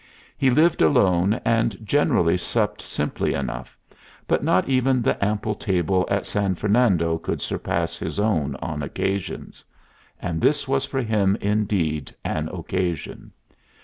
He lived alone, and generally supped simply enough, but not even the ample table at San Fernando could surpass his own on occasions. And this was for him indeed an occasion!